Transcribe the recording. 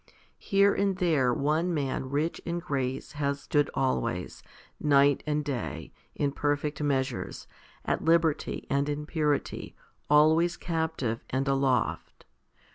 Here and there one man rich in grace has stood always, night and day, in perfect measures, at liberty and in purity, always captive and aloft.